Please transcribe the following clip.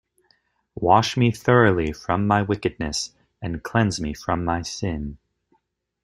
Wash me thoroughly from my wickedness: and cleanse me from my sin.